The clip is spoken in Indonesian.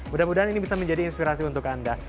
mudah mudahan ini bisa menjadi inspirasi untuk anda